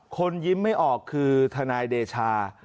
คนยิ้มไม่ออกคือทนายเดชา